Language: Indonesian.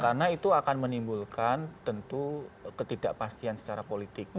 karena itu akan menimbulkan tentu ketidakpastian secara politik